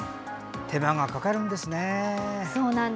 手間がかかるんですね。